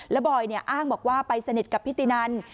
แล้วบอยอ้างบอกว่าไปสนิทกับพี่ตินัน